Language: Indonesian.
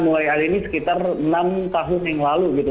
mulai hari ini sekitar enam tahun yang lalu gitu